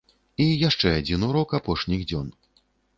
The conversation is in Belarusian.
І яшчэ адзін урок апошніх дзён.